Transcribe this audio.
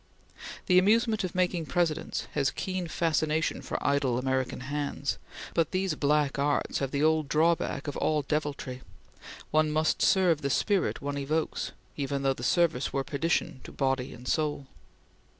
The amusement of making Presidents has keen fascination for idle American hands, but these black arts have the old drawback of all deviltry; one must serve the spirit one evokes, even though the service were perdition to body and soul.